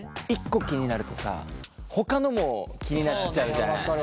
１個気になるとさほかのも気になっちゃうじゃない。